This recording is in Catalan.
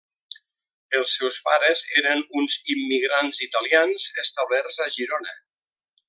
Els seus pares eren uns immigrants italians establerts a Girona.